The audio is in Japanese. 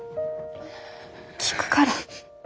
聞くから。